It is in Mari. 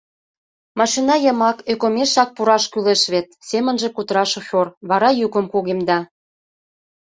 Машина йымак ӧкымешак пураш кӱлеш вет... — семынже кутыра шофёр, вара йӱкым кугемда.